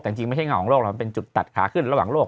แต่จริงไม่ใช่เงาของโลกหรอกมันเป็นจุดตัดขาขึ้นระหว่างโลก